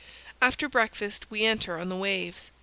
After breakfast we enter on the waves.